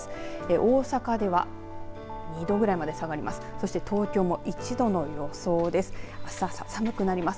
大阪では２度ぐらいまで下がります。